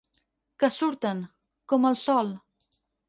Que surten, com el sol.